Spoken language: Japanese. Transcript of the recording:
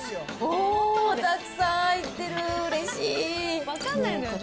おー、たくさん入ってる、うれしい。